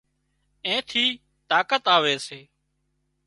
اين ٿي طاقت آوي سي